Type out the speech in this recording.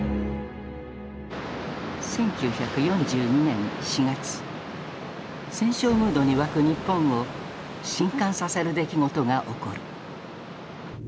１９４２年４月戦勝ムードに沸く日本を震かんさせる出来事が起こる。